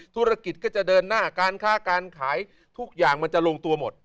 ธุรกิจก็จะเดินหน้าการค้าการขายทุกอย่างมันจะลงตัวหมด